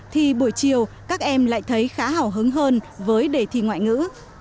thì buổi chiều các em lại thấy khá hào hứng hơn với đề thi ngoại ngữ